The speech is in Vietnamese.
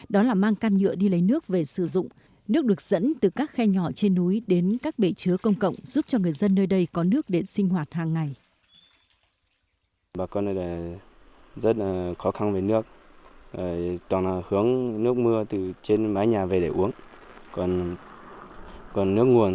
đó là mang can nhựa đi lấy nước về sử dụng nước được dẫn từ các khe nhỏ trên núi đến các bể chứa công cộng giúp cho người dân nơi đây có nước để sinh hoạt hàng ngày